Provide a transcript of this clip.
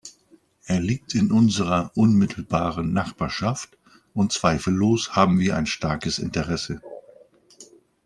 Er liegt in unserer unmittelbaren Nachbarschaft, und zweifellos haben wir ein starkes Interesse.